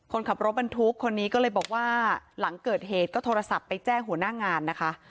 คนขับรถบรรทุกคนนี้ก็เลยบอกว่าหลังเกิดเหตุก็โทรศัพท์ไปแจ้งหัวหน้างานนะคะ